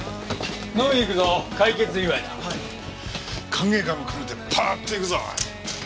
歓迎会も兼ねてパーッといくぞおい。